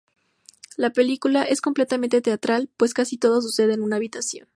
La película es completamente teatral, pues casi todo sucede en una habitación.